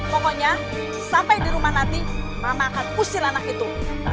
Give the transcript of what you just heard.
pokoknya sampai di rumah nanti mama akan kusir anak itu